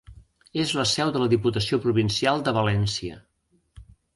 És la seu de la Diputació Provincial de València.